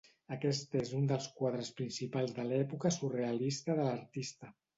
Aquest és un dels quadres principals de l'època surrealista de l'artista.